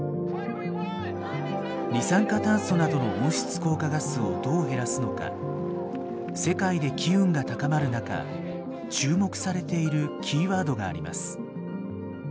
二酸化炭素などの温室効果ガスをどう減らすのか世界で機運が高まる中注目されているキーワードがあります。